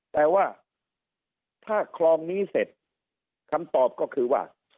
แต่ว่าถ้าคลองนี้เสร็จคำตอบก็คือว่า